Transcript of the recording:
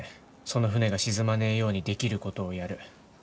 その船が沈まねえようにできることをやる。